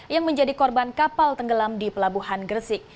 yang menjadi korban kapal tenggelam di pelabuhan gresik